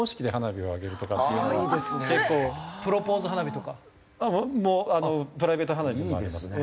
プロポーズ花火とか。もプライベート花火にあります。